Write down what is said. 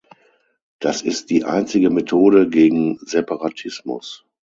Das ist die einzige Methode gegen Separatismus.